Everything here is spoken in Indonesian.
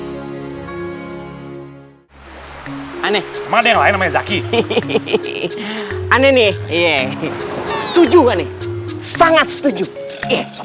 sampai jumpa di video selanjutnya